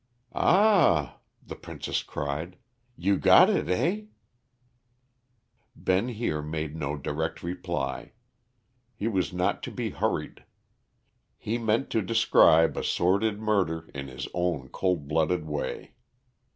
"Ah," the princess cried. "You got it, eh?" Ben Heer made no direct reply. He was not to be hurried. He meant to describe a sordid murder in his own cold blooded way.